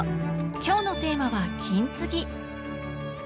今日のテーマは「金継ぎ」！